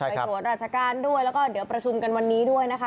ตรวจราชการด้วยแล้วก็เดี๋ยวประชุมกันวันนี้ด้วยนะคะ